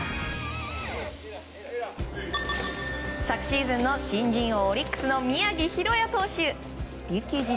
昨シーズンの新人王オリックスの宮城大弥選手。